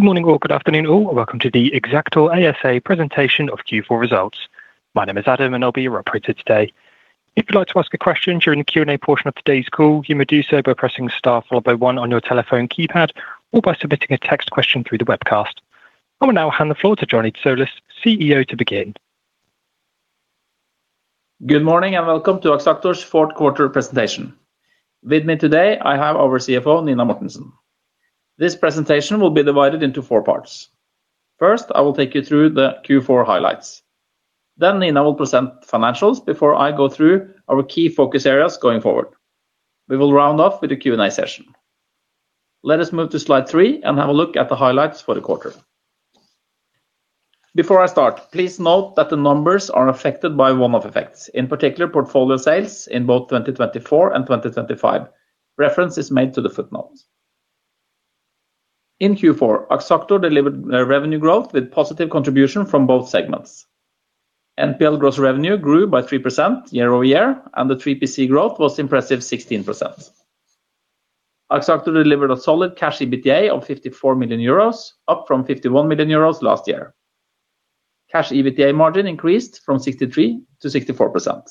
Good morning, all. Good afternoon, all, and welcome to the Axactor ASA Presentation of Q4 Results. My name is Adam, and I'll be your operator today. If you'd like to ask a question during the Q&A portion of today's call, you may do so by pressing star followed by one on your telephone keypad or by submitting a text question through the webcast. I will now hand the floor to Johnny Tsolis, CEO, to begin. Good morning, and welcome to Axactor's fourth quarter presentation. With me today, I have our CFO, Nina Mortensen. This presentation will be divided into four parts. First, I will take you through the Q4 highlights. Then Nina will present financials before I go through our key focus areas going forward. We will round off with a Q&A session. Let us move to slide 3 and have a look at the highlights for the quarter. Before I start, please note that the numbers are affected by one-off effects, in particular, portfolio sales in both 2024 and 2025. Reference is made to the footnote. In Q4, Axactor delivered revenue growth with positive contribution from both segments. NPL gross revenue grew by 3% year-over-year, and the 3PC growth was impressive 16%. Axactor delivered a solid Cash EBITDA of 54 million euros, up from 51 million euros last year. Cash EBITDA margin increased from 63% to 64%.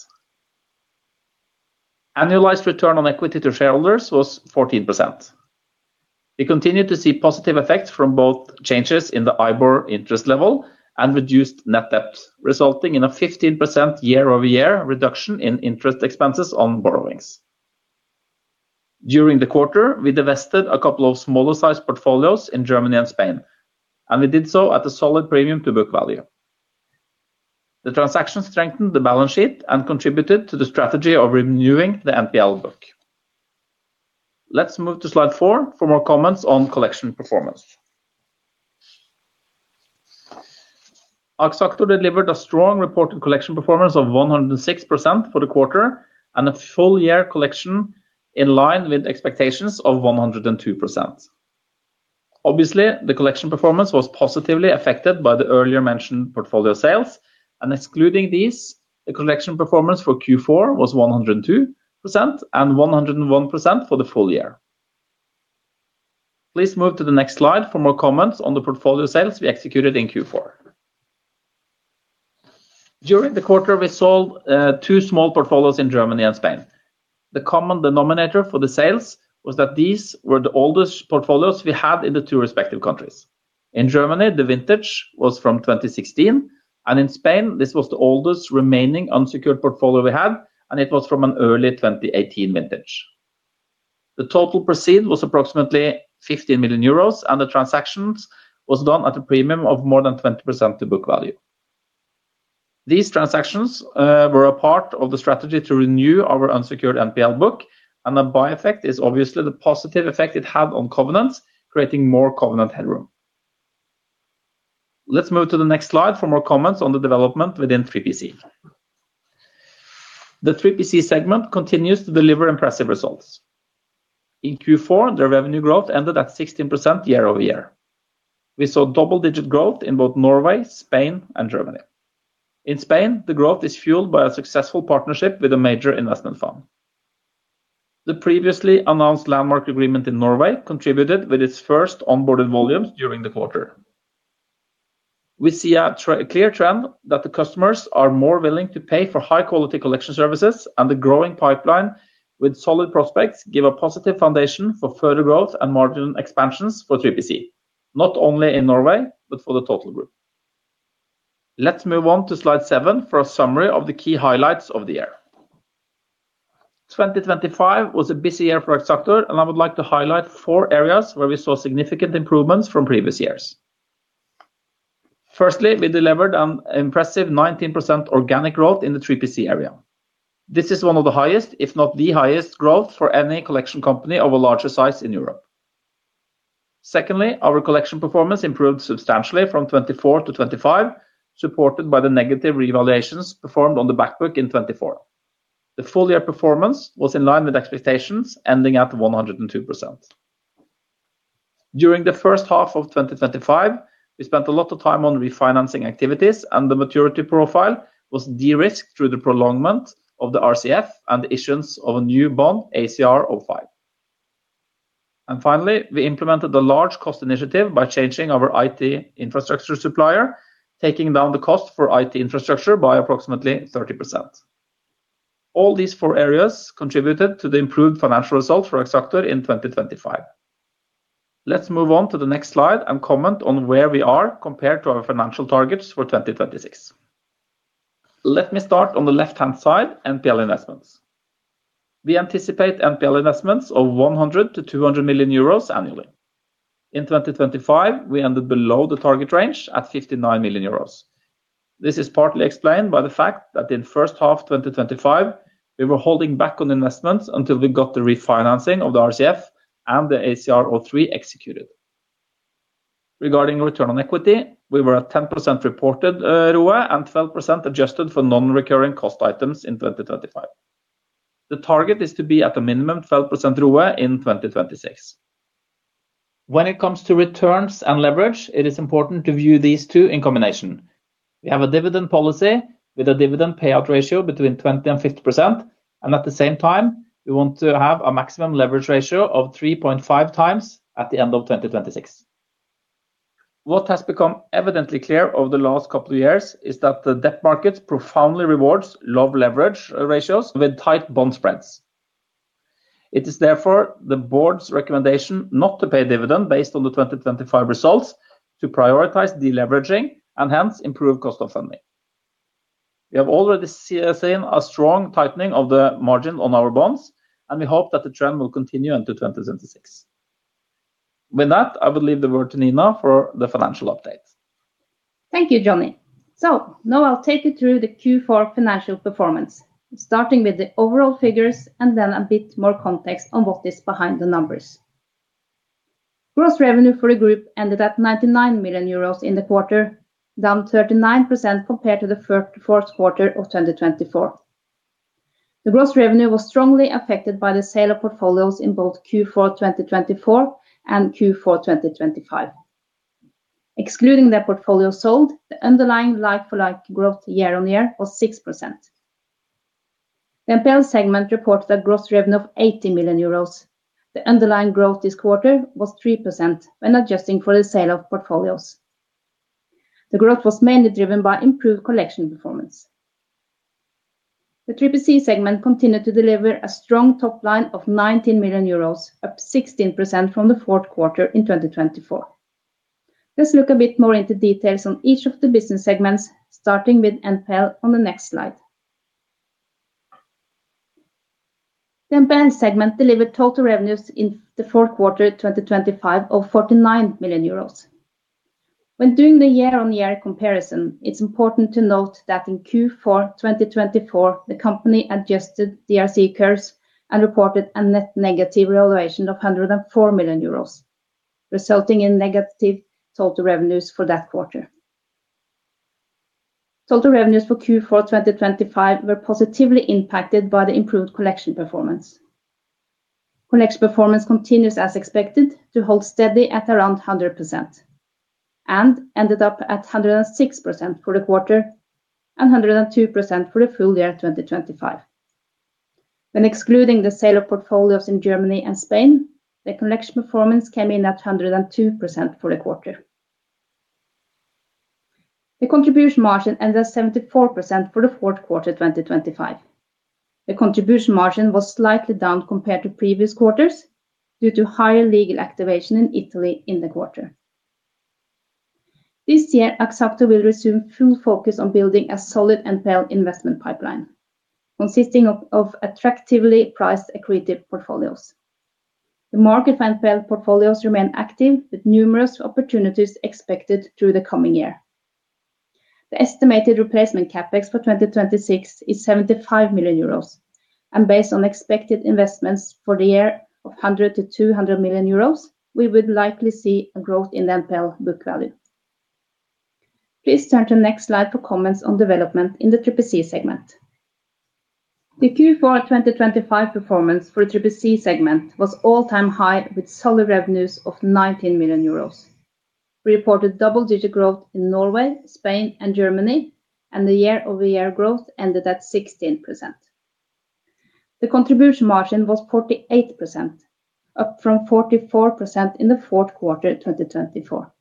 Annualized return on equity to shareholders was 14%. We continued to see positive effects from both changes in the IBOR interest level and reduced net debt, resulting in a 15% year-over-year reduction in interest expenses on borrowings. During the quarter, we divested a couple of smaller-sized portfolios in Germany and Spain, and we did so at a solid premium to book value. The transaction strengthened the balance sheet and contributed to the strategy of renewing the NPL book. Let's move to slide four for more comments on collection performance. Axactor delivered a strong reported collection performance of 106% for the quarter and a full year collection in line with expectations of 102%. Obviously, the collection performance was positively affected by the earlier mentioned portfolio sales, and excluding these, the collection performance for Q4 was 102% and 101% for the full year. Please move to the next slide for more comments on the portfolio sales we executed in Q4. During the quarter, we sold two small portfolios in Germany and Spain. The common denominator for the sales was that these were the oldest portfolios we had in the two respective countries. In Germany, the vintage was from 2016, and in Spain, this was the oldest remaining unsecured portfolio we had, and it was from an early 2018 vintage. The total proceeds was approximately 15 million euros, and the transactions was done at a premium of more than 20% to book value. These transactions were a part of the strategy to renew our unsecured NPL book, and the by effect is obviously the positive effect it had on covenants, creating more covenant headroom. Let's move to the next slide for more comments on the development within 3PC. The 3PC segment continues to deliver impressive results. In Q4, the revenue growth ended at 16% year-over-year. We saw double-digit growth in both Norway, Spain, and Germany. In Spain, the growth is fueled by a successful partnership with a major investment firm. The previously announced landmark agreement in Norway contributed with its first onboarded volumes during the quarter. We see a clear trend that the customers are more willing to pay for high-quality collection services, and the growing pipeline with solid prospects give a positive foundation for further growth and margin expansions for 3PC, not only in Norway, but for the total group. Let's move on to slide 7 for a summary of the key highlights of the year. 2025 was a busy year for Axactor, and I would like to highlight four areas where we saw significant improvements from previous years. Firstly, we delivered an impressive 19% organic growth in the 3PC area. This is one of the highest, if not the highest, growth for any collection company of a larger size in Europe. Secondly, our collection performance improved substantially from 2024 to 2025, supported by the negative revaluations performed on the back book in 2024. The full year performance was in line with expectations, ending at 102%. During the first half of 2025, we spent a lot of time on refinancing activities, and the maturity profile was de-risked through the prolongment of the RCF and the issuance of a new bond, ACR05. And finally, we implemented a large cost initiative by changing our IT infrastructure supplier, taking down the cost for IT infrastructure by approximately 30%. All these four areas contributed to the improved financial results for Axactor in 2025. Let's move on to the next slide and comment on where we are compared to our financial targets for 2026. Let me start on the left-hand side, NPL investments. We anticipate NPL investments of 100 million-200 million euros annually. In 2025, we ended below the target range at 59 million euros. This is partly explained by the fact that in the first half of 2025, we were holding back on investments until we got the refinancing of the RCF and the ACR03 executed. Regarding return on equity, we were at 10% reported ROE and 12% adjusted for non-recurring cost items in 2025. The target is to be at a minimum 12% ROE in 2026. When it comes to returns and leverage, it is important to view these two in combination. We have a dividend policy with a dividend payout ratio between 20%-50%, and at the same time, we want to have a maximum leverage ratio of 3.5x at the end of 2026. What has become evidently clear over the last couple of years is that the debt market profoundly rewards low leverage ratios with tight bond spreads. It is therefore the board's recommendation not to pay a dividend based on the 2025 results to prioritize deleveraging, and hence, improve cost of funding. We have already seen a strong tightening of the margin on our bonds, and we hope that the trend will continue into 2026. With that, I will leave the word to Nina for the financial update. Thank you, Johnny. Now I'll take you through the Q4 financial performance, starting with the overall figures and then a bit more context on what is behind the numbers. Gross revenue for the group ended at 99 million euros in the quarter, down 39% compared to the fourth quarter of 2024. The gross revenue was strongly affected by the sale of portfolios in both Q4 2024 and Q4 2025. Excluding the portfolio sold, the underlying like-for-like growth year on year was 6%. The NPL segment reported a gross revenue of 80 million euros. The underlying growth this quarter was 3% when adjusting for the sale of portfolios. The growth was mainly driven by improved collection performance. The 3PC segment continued to deliver a strong top line of 19 million euros, up 16% from the fourth quarter in 2024. Let's look a bit more into details on each of the business segments, starting with NPL on the next slide. The NPL segment delivered total revenues in the fourth quarter, 2025, of 49 million euros. When doing the year-on-year comparison, it's important to note that in Q4, 2024, the company adjusted ERC curves and reported a net negative revaluation of 104 million euros, resulting in negative total revenues for that quarter. Total revenues for Q4, 2025, were positively impacted by the improved collection performance. Collection performance continues as expected, to hold steady at around 100%, and ended up at 106% for the quarter and 102% for the full year, 2025. When excluding the sale of portfolios in Germany and Spain, the collection performance came in at 102% for the quarter. The contribution margin ended at 74% for the fourth quarter, 2025. The contribution margin was slightly down compared to previous quarters due to higher legal activation in Italy in the quarter. This year, Axactor will resume full focus on building a solid NPL investment pipeline, consisting of attractively priced accretive portfolios. The market NPL portfolios remain active, with numerous opportunities expected through the coming year. The estimated replacement CapEx for 2026 is 75 million euros, and based on expected investments for the year of 100 million-200 million euros, we would likely see a growth in the NPL book value. Please turn to the next slide for comments on development in the 3PC segment. The Q4 2025 performance for the 3PC segment was all-time high, with solid revenues of 19 million euros. We reported double-digit growth in Norway, Spain, and Germany, and the year-over-year growth ended at 16%. The contribution margin was 48%, up from 44% in the fourth quarter, 2024.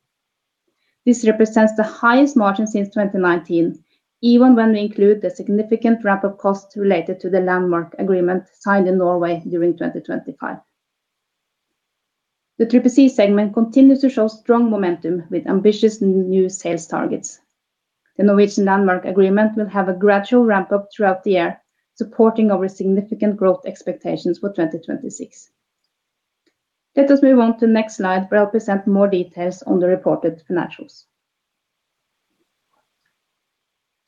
This represents the highest margin since 2019, even when we include the significant ramp-up costs related to the landmark agreement signed in Norway during 2025. The 3PC segment continues to show strong momentum with ambitious new sales targets. The Norwegian landmark agreement will have a gradual ramp-up throughout the year, supporting our significant growth expectations for 2026. Let us move on to the next slide, where I'll present more details on the reported financials.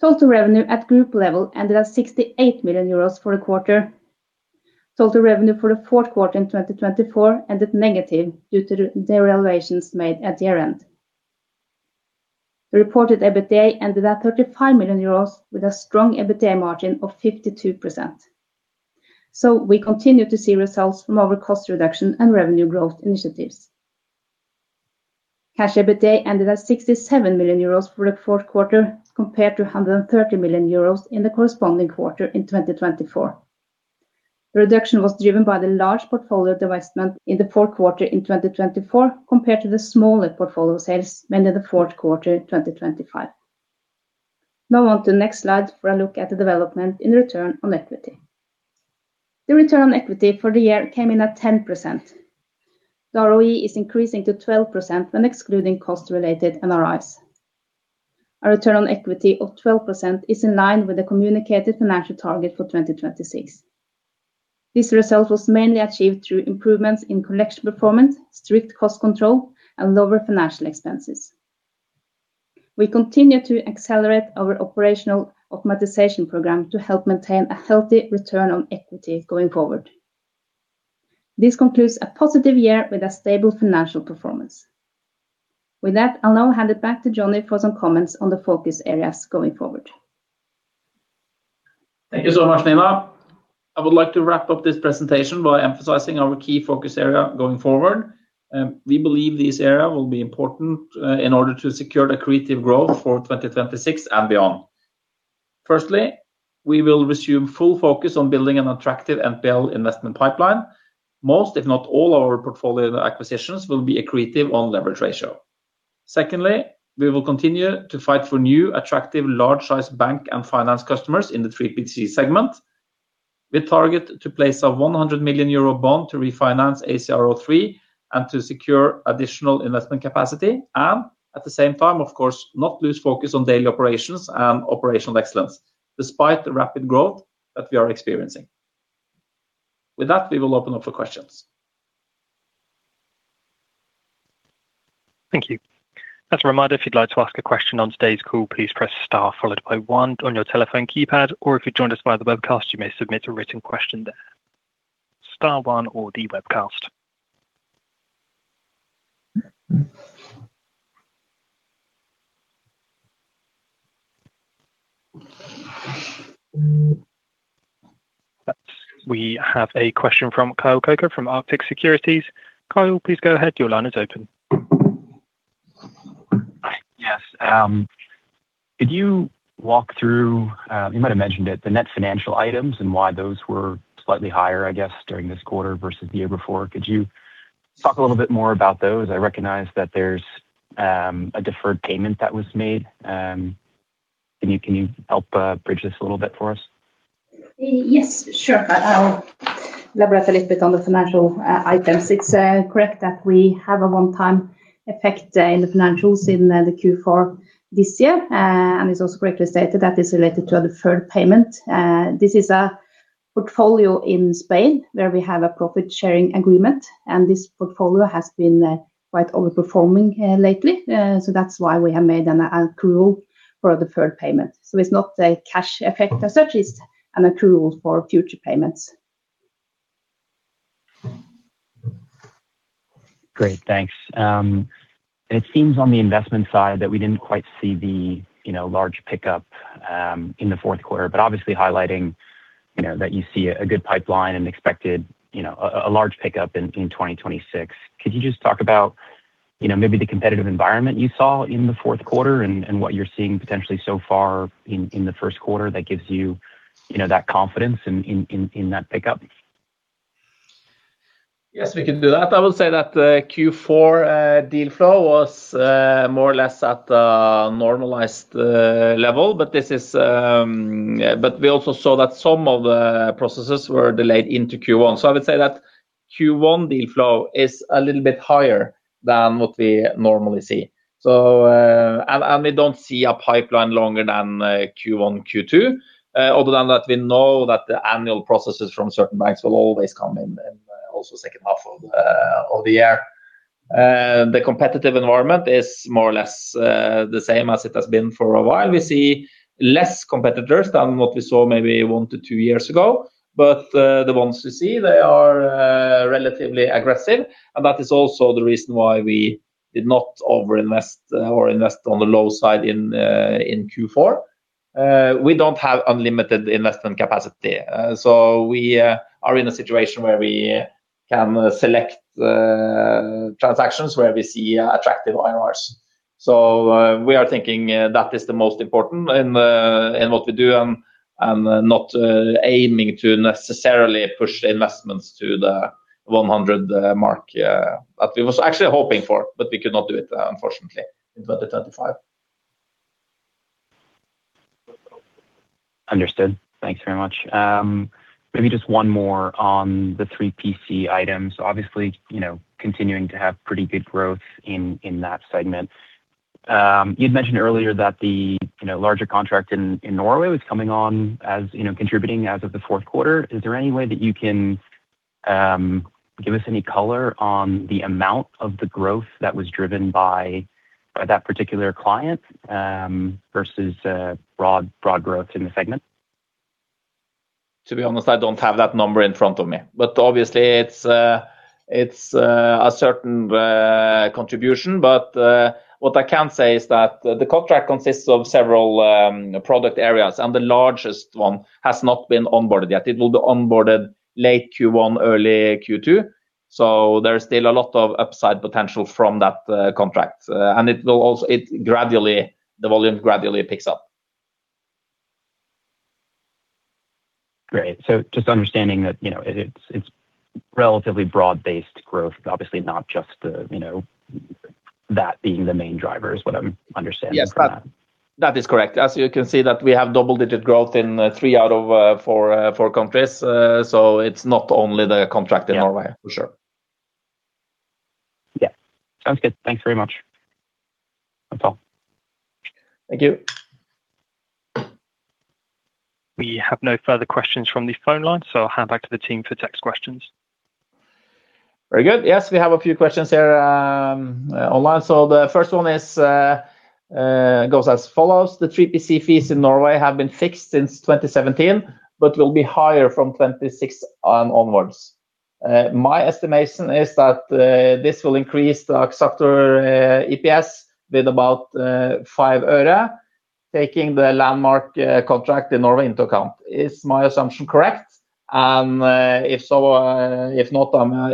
Total revenue at group level ended at 68 million euros for the quarter. Total revenue for the fourth quarter in 2024 ended negative due to the devaluations made at year-end. The reported EBITDA ended at 35 million euros, with a strong EBITDA margin of 52%. So we continue to see results from our cost reduction and revenue growth initiatives. Cash EBITDA ended at 67 million euros for the fourth quarter, compared to 130 million euros in the corresponding quarter in 2024. The reduction was driven by the large portfolio divestment in the fourth quarter in 2024, compared to the smaller portfolio sales made in the fourth quarter, 2025. Now, on to the next slide for a look at the development in return on equity. The return on equity for the year came in at 10%. The ROE is increasing to 12% when excluding cost-related NRIs. Our return on equity of 12% is in line with the communicated financial target for 2026. This result was mainly achieved through improvements in collection performance, strict cost control, and lower financial expenses. We continue to accelerate our operational optimization program to help maintain a healthy return on equity going forward. This concludes a positive year with a stable financial performance. With that, I'll now hand it back to Johnny for some comments on the focus areas going forward. Thank you so much, Nina. I would like to wrap up this presentation by emphasizing our key focus area going forward. We believe this area will be important in order to secure the creative growth for 2026 and beyond. Firstly, we will resume full focus on building an attractive NPL investment pipeline. Most, if not all, our portfolio acquisitions will be accretive on leverage ratio. Secondly, we will continue to fight for new, attractive, large-sized bank and finance customers in the 3PC segment. We target to place a 100 million euro bond to refinance ACR03, and to secure additional investment capacity. And at the same time, of course, not lose focus on daily operations and operational excellence, despite the rapid growth that we are experiencing. With that, we will open up for questions. Thank you. As a reminder, if you'd like to ask a question on today's call, please press star followed by one on your telephone keypad, or if you've joined us via the webcast, you may submit a written question there. Star one or the webcast. We have a question from [Kyle Coker] from Arctic Securities. Kyle, please go ahead. Your line is open. Yes, could you walk through, you might have mentioned it, the net financial items and why those were slightly higher, I guess, during this quarter versus the year before? Could you talk a little bit more about those? I recognize that there's, a deferred payment that was made. Can you, can you help, bridge this a little bit for us? Yes, sure. I'll elaborate a little bit on the financial items. It's correct that we have a one-time effect in the financials in the Q4 this year. And it's also correctly stated that is related to a deferred payment. This is a portfolio in Spain, where we have a profit-sharing agreement, and this portfolio has been quite overperforming lately. So that's why we have made an accrual for the third payment. So it's not a cash effect as such, it's an accrual for future payments. Great. Thanks. And it seems on the investment side that we didn't quite see the, you know, large pickup in the fourth quarter, but obviously highlighting, you know, that you see a good pipeline and expected, you know, a large pickup in 2026. Could you just talk about, you know, maybe the competitive environment you saw in the fourth quarter and what you're seeing potentially so far in the first quarter that gives you, you know, that confidence in that pickup? Yes, we can do that. I will say that the Q4 deal flow was more or less at a normalized level, but we also saw that some of the processes were delayed into Q1. So I would say that Q1 deal flow is a little bit higher than what we normally see. So, we don't see a pipeline longer than Q1, Q2. Other than that, we know that the annual processes from certain banks will always come in also second half of the year. The competitive environment is more or less the same as it has been for a while. We see less competitors than what we saw maybe one-two years ago, but the ones we see, they are relatively aggressive, and that is also the reason why we did not overinvest or invest on the low side in Q4. We don't have unlimited investment capacity, so we are in a situation where we can select transactions where we see attractive IRRs. So we are thinking that is the most important in what we do, and not aiming to necessarily push the investments to the 100 mark that we was actually hoping for, but we could not do it, unfortunately, in 2025. Understood. Thanks very much. Maybe just one more on the 3PC items. Obviously, you know, continuing to have pretty good growth in that segment. You'd mentioned earlier that the, you know, larger contract in Norway was coming on, as, you know, contributing as of the fourth quarter. Is there any way that you can give us any color on the amount of the growth that was driven by that particular client versus broad growth in the segment? To be honest, I don't have that number in front of me, but obviously, it's a certain contribution. But what I can say is that the contract consists of several product areas, and the largest one has not been onboarded yet. It will be onboarded late Q1, early Q2, so there is still a lot of upside potential from that contract, and it will also, it gradually, the volume gradually picks up. Great. So just understanding that, you know, it's relatively broad-based growth, obviously, not just the, you know, that being the main driver is what I'm understanding from that. Yes, that is correct. As you can see that we have double-digit growth in three out of four countries. So it's not only the contract in Norway for sure. Yeah. Sounds good. Thank you very much. That's all. Thank you. We have no further questions from the phone line, so I'll hand back to the team for text questions. Very good. Yes, we have a few questions here, online. So the first one is, goes as follows: The 3PC fees in Norway have been fixed since 2017, but will be higher from 2026 onwards. My estimation is that this will increase the Axactor EPS with about 5 euro, taking the landmark contract in Norway into account. Is my assumption correct? And if so, if not, I'm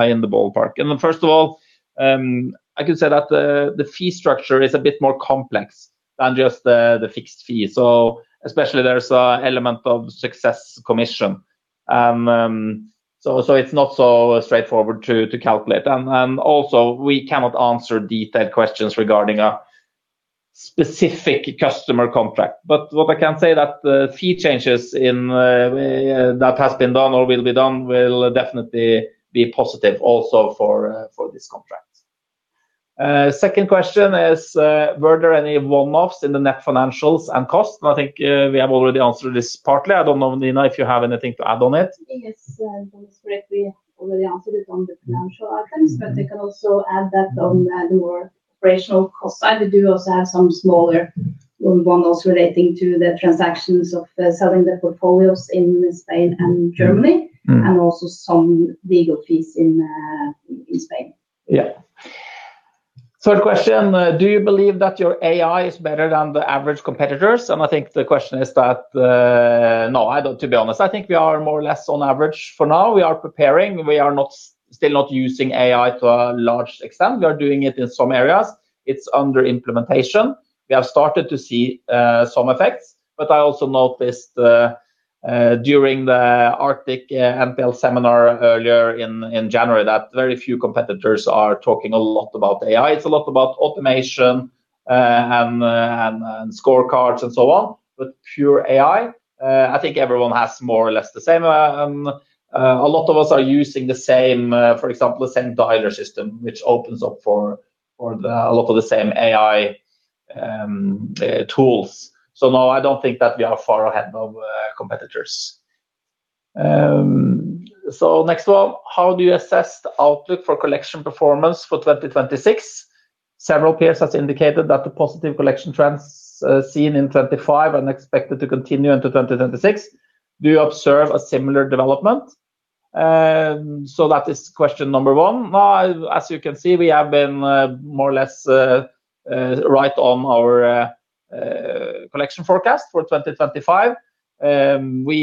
in the ballpark. And then, first of all, I could say that the fee structure is a bit more complex than just the fixed fee. So especially there's an element of success commission. And so it's not so straightforward to calculate. And also, we cannot answer detailed questions regarding a specific customer contract. But what I can say that the fee changes in, that has been done or will be done, will definitely be positive also for, for this contract. Second question is: Were there any one-offs in the net financials and cost? I think, we have already answered this partly. I don't know, Nina, if you have anything to add on it. I think it's correctly already answered it on the financial outcomes, but I can also add that on the more operational cost side, we do also have some smaller one-offs relating to the transactions of selling the portfolios in Spain and Germany and also some legal fees in Spain. Yeah. Third question: do you believe that your AI is better than the average competitors? And I think the question is that-- No, I don't, to be honest. I think we are more or less on average. For now, we are preparing. We are not, still not using AI to a large extent. We are doing it in some areas. It's under implementation. We have started to see some effects, but I also noticed during the Arctic NPL seminar earlier in January, that very few competitors are talking a lot about AI. It's a lot about automation and scorecards and so on. But pure AI, I think everyone has more or less the same. A lot of us are using the same, for example, the same dialer system, which opens up for, for the, a lot of the same AI, tools. So no, I don't think that we are far ahead of, competitors. So next one: How do you assess the outlook for collection performance for 2026? Several peers has indicated that the positive collection trends, seen in 2025 are expected to continue into 2026. Do you observe a similar development? So that is question number one. As you can see, we have been, more or less, right on our, collection forecast for 2025. We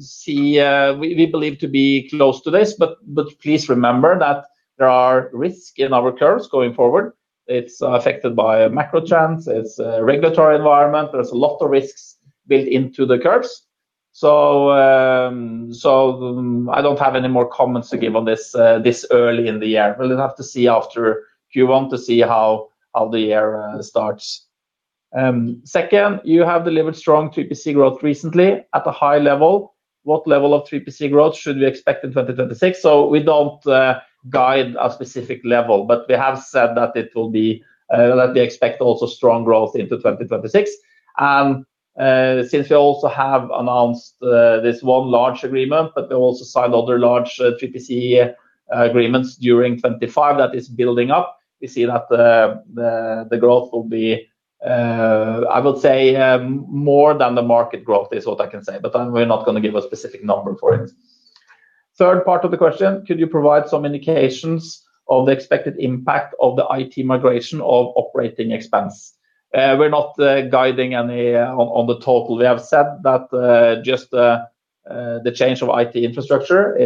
see-- we believe to be close to this, but, but please remember that there are risk in our curves going forward. It's affected by macro trends, it's regulatory environment. There's a lot of risks built into the curves. So, I don't have any more comments to give on this, this early in the year. We'll have to see after. If you want to see how the year starts. Second, you have delivered strong 3PC growth recently at a high level. What level of 3PC growth should we expect in 2026? So we don't guide a specific level, but we have said that it will be that we expect also strong growth into 2026. Since we also have announced this one large agreement, but we also signed other large 3PC agreements during 2025, that is building up, we see that the growth will be, I would say, more than the market growth, is what I can say, but we're not gonna give a specific number for it. Third part of the question: Could you provide some indications of the expected impact of the IT migration of operating expense? We're not guiding any on the total. We have said that just the change of IT infrastructure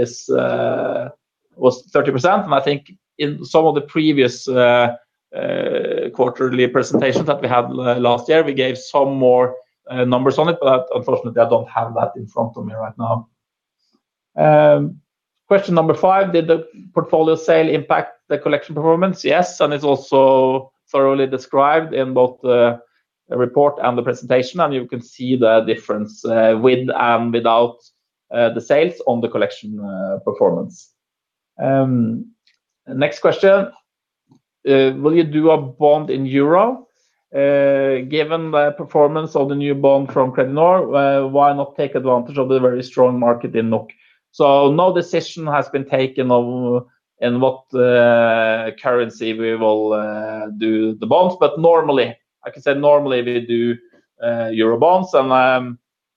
was 30%. And I think in some of the previous quarterly presentations that we had last year, we gave some more numbers on it, but unfortunately, I don't have that in front of me right now. Question number five: Did the portfolio sale impact the collection performance? Yes, and it's also thoroughly described in both the report and the presentation, and you can see the difference with and without the sales on the collection performance. Next question: will you do a bond in euro? Given the performance of the new bond from Kredinor, why not take advantage of the very strong market in NOK? So no decision has been taken on in what currency we will do the bonds, but normally, like I said, normally, we do euro bonds.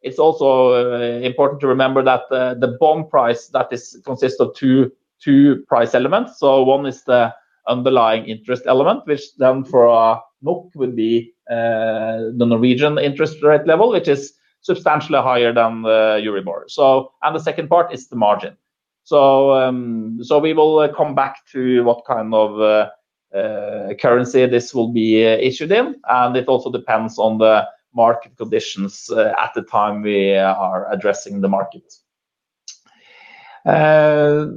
It's also important to remember that the bond price that consists of two price elements. So one is the underlying interest element, which then for our NOK would be the Norwegian interest rate level, which is substantially higher than the Euribor. And the second part is the margin. So we will come back to what kind of currency this will be issued in, and it also depends on the market conditions at the time we are addressing the market.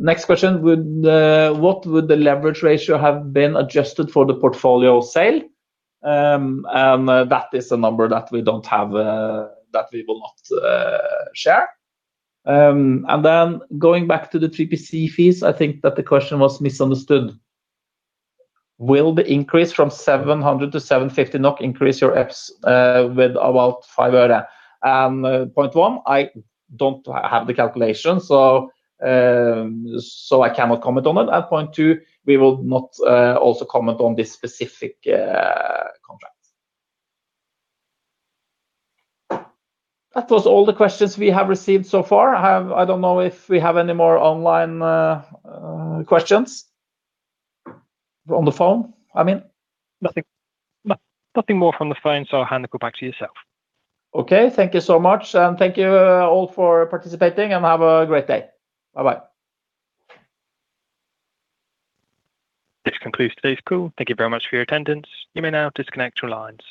Next question: What would the leverage ratio have been adjusted for the portfolio sale? That is a number that we don't have that we will not share. Then going back to the 3PC fees, I think that the question was misunderstood. Will the increase from 700 to 750 NOK increase your EPS with about 5 euro? And point one, I don't have the calculation, so, so I cannot comment on it. And point two, we will not also comment on this specific contract. That was all the questions we have received so far. I don't know if we have any more online questions. On the phone, I mean. Nothing, nothing more from the phone, so I'll hand it back to yourself. Okay. Thank you so much, and thank you all for participating, and have a great day. Bye-bye. This concludes today's call. Thank you very much for your attendance. You may now disconnect your lines.